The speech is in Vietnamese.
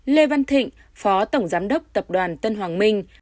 lê văn thịnh phó tổng giám đốc tập đoàn tân hoàng minh